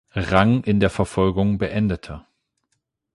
Rang in der Verfolgung beendete.